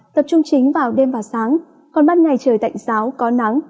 tập trung chính vào đêm và sáng còn mắt ngày trời tạnh sáo có nắng